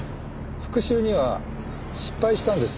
復讐には失敗したんです。